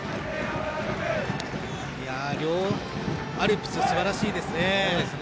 両アルプスすばらしいですね。